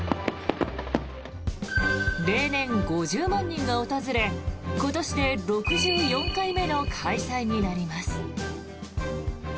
例年５０万人が訪れ、今年で６４回目の開催になります。